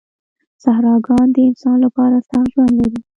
صحراګان د انسان لپاره سخت ژوند لري.